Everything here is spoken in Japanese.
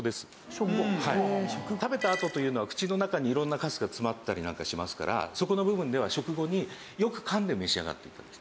食べたあとというのは口の中に色んなカスが詰まったりなんかしますからそこの部分では食後によく噛んで召し上がって頂きたい。